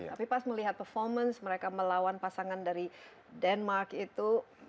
tapi pas melihat performance mereka melawan pasangan dari denmark itu